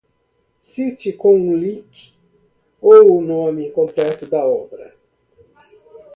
Cite com um link ou o nome completo da obra.